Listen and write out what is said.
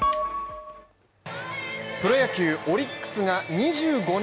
プロ野球オリックスが２５年